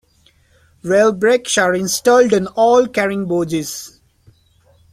Rail brakes are installed on all carrying bogies.